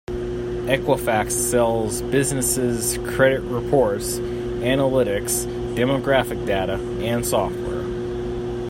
Equifax sells businesses credit reports, analytics, demographic data, and software.